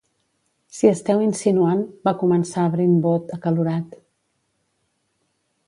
Si esteu insinuant - va començar Brentwood acalorat.